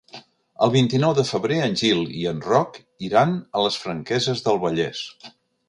El vint-i-nou de febrer en Gil i en Roc iran a les Franqueses del Vallès.